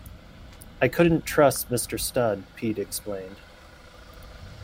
"I couldn't trust Mr Studd," Peate explained.